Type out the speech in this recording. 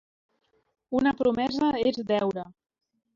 Una promesa és deure.